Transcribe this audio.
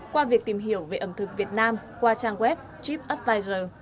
qua việc tìm hiểu về ẩm thực việt nam qua trang web tripadvisor